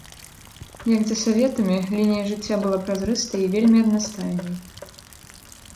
Як за саветамі, лінія жыцця была празрыстай і вельмі аднастайнай.